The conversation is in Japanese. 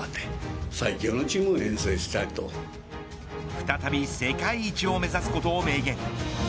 再び世界一を目指すことを明言。